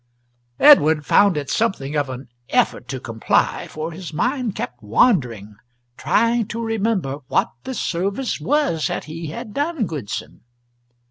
Edward found it something of an effort to comply, for his mind kept wandering trying to remember what the service was that he had done Goodson.